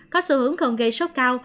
có sự hướng không gây sốt cao